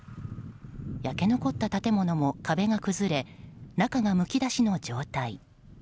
焼け残った建物も壁が崩れ中がむき出しの状態。